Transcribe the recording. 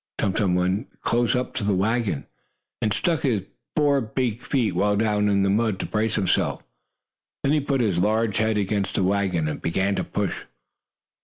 Tum Tum went close up to the wagon, and stuck his four big feet well down in the mud to brace himself. Then he put his large head against the wagon, and began to push.